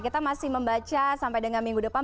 kita masih membaca sampai dengan minggu depan